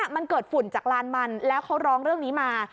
มันเกิดฝุ่นจากลานมันแล้วเขาร้องเรื่องนี้มา